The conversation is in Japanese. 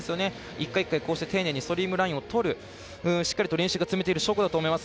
一回一回ラインを取るしっかりと練習が積めている証拠だと思います。